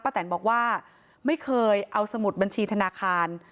แตนบอกว่าไม่เคยเอาสมุดบัญชีธนาคาร